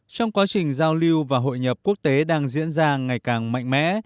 trong quá trình giao lưu và hội nhập quốc tế đang diễn ra ngày càng mạnh mẽ